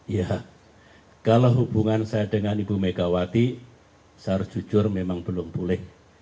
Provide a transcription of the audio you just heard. ya kalau hubungan saya dengan ibu megawati secara jujur memang belum pulih